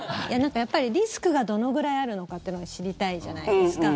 やっぱり、リスクがどのぐらいあるのかっていうのが知りたいじゃないですか。